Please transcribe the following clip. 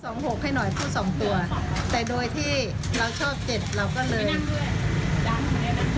สองหกให้หน่อยพูดสองตัวแต่โดยที่เราชอบเจ็ดเราก็เลย